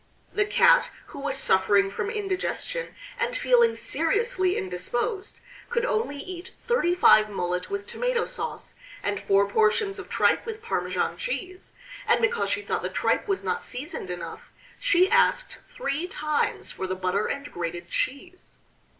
The Cat, who was suffering from indigestion and feeling seriously indisposed, could only eat thirty five mullet with tomato sauce, and four portions of tripe with Parmesan cheese; and because she thought the tripe was not seasoned enough, she asked three times for the butter and grated cheese!